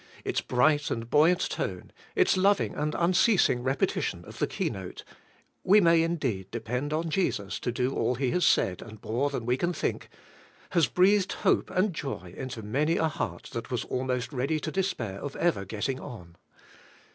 Its bright and buoyant tone, its loving and unceasing repetition of the keynote, — we may indeed depend on Jesus to do all He has said, and more than we can think, — has breathed hope and joy into many a heart that was almost ready to despair of ever getting on.